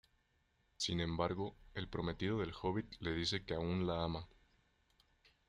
Sin embargo, el prometido del hobbit le dice que aún la ama.